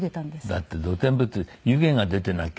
だって露天風呂って湯気が出ていなきゃ。